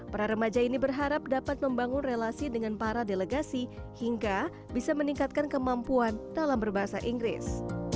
para remaja ini berharap dapat membangun relasi dengan para delegasi hingga bisa meningkatkan kemampuan dalam berbahasa inggris